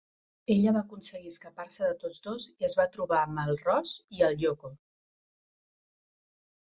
Ella va aconseguir escapar-se de tots dos i es va trobar amb el Ross i el Yoko.